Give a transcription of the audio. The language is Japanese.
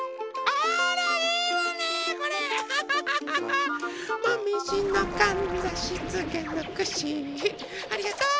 ありがとう。